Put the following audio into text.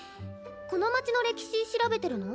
この街の歴史調べてるの？